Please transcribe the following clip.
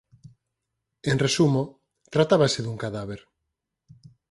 En resumo, tratábase dun cadáver.